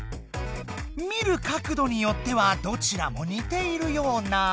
見る角どによってはどちらもにているような。